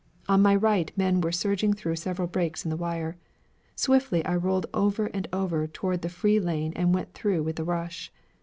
On my right, men were surging through several breaks in the wire. Swiftly I rolled over and over toward the free lane and went through with a rush.